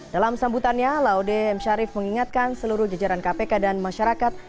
dalam sambutannya laude m syarif mengingatkan seluruh jajaran kpk dan masyarakat